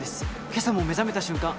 今朝も目覚めた瞬間